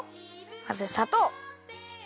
まずさとう！